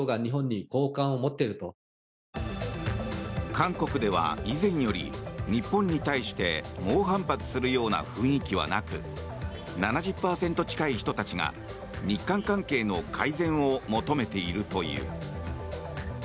韓国では以前より日本に対して猛反発するような雰囲気はなく７０％近い人たちが日韓関係の改善を求めているという。